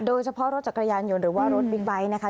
โดยเฉพาะรถจักรยานยนต์หรือว่ารถบิ๊กไบท์นะคะ